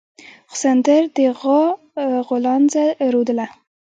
سخوندر د غوا غولانځه رودله.